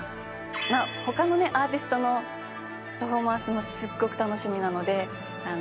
他のアーティストのパフォーマンスもすごく楽しみなので。